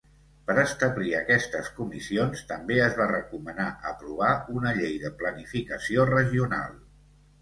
Per establir aquestes comissions, també es va recomanar aprovar una Llei de planificació regional.